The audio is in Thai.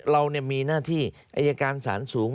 เรามีหน้าที่อายการสารสูง